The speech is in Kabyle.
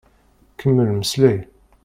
Kemmel mmeslay.